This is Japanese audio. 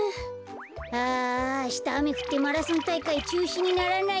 あああしたあめふってマラソンたいかいちゅうしにならないかな。